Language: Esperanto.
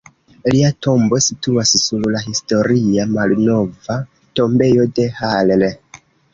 Lia tombo situas sur la historia Malnova tombejo de Halle.